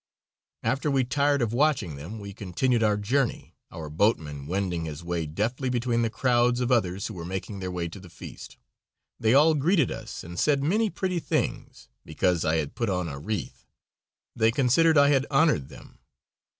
After we tired of watching them we continued our journey, our boatman wending his way deftly between the crowds of others who were making their way to the feast. They all greeted us and said many pretty things, because I had put on a wreath. They considered I had honored them.